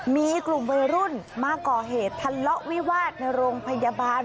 มีกลุ่มวัยรุ่นมาก่อเหตุทะเลาะวิวาสในโรงพยาบาล